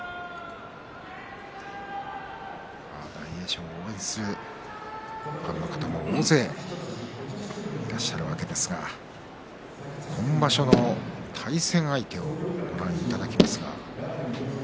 大栄翔を応援するファンの方も大勢いらっしゃるわけですが今場所の対戦相手をご覧いただきます。